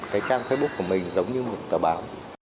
cái trang facebook của mình giống như một tờ báo